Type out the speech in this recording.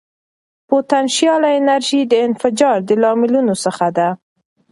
پوتنشیاله انرژي د انفجار د لاملونو څخه ده.